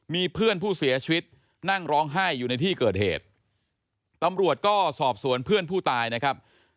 มีเพื่อนผู้เสียชีวิตนั่งร้องไห้อยู่ในที่เกิดเหตุตำรวจก็สอบสวนเพื่อนผู้ตายนะครับ